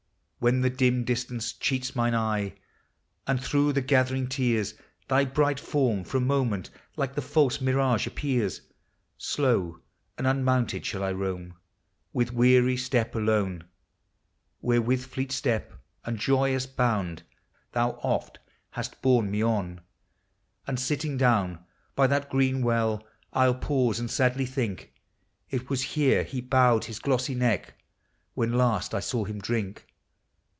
■ When the dim distance cheats mine eye, and through the gathering tears Thy bright form, for a moment, like the false mirage appears; Slow and unmounted shall I roam, with weary step alone, Where, with fleet step and joyous bound, thou oft hast borne me on ; ANIMATE NATURE. 369 Ind sitting down by that green well, I '11 pause and sadly think, i It was here he bowed his glossy neck when last I saw him drink